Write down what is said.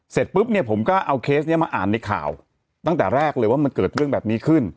เสร็จปุ๊บเนี่ยผมก็เอาเคสนี้มาอ่านในข่าวตั้งแต่แรกเลยว่ามันเกิดเรื่องแบบนี้ขึ้น